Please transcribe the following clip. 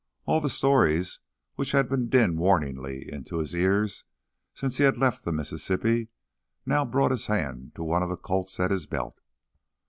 All the stories which had been dinned warningly into his ears since he had left the Mississippi now brought his hand to one of the Colts at his belt.